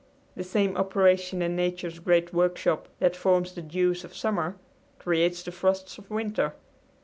The same operation in nature's great workshop that forms the dews of summer creates the frosts of winter.